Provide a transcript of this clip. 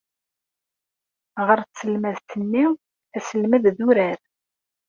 Ɣer tselmadt-nni, asselmed d urar.